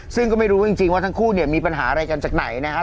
ซึ่งก็ไม่รู้จริงว่าทั้งคู่เนี่ยมีปัญหาอะไรกันจากไหนนะครับ